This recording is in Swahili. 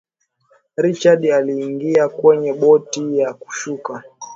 richard aliingia kwenye boti ya kushuka